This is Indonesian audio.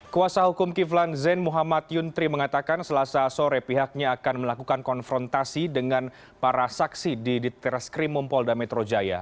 kuasa hukum kiflan zain muhammad yuntri mengatakan selasa sore pihaknya akan melakukan konfrontasi dengan para saksi di ditreskrimum polda metro jaya